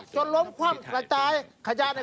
จนล้มคว่างหลักจาย